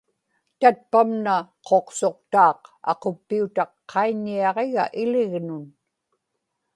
tatpamna quqsuqtaaq aquppiutaq qaiñiaġiga ilignun